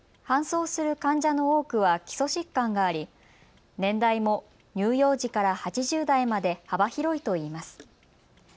搬送する患者の多くは基礎疾患があり、年代も乳幼児から８０代まで幅広いといいます。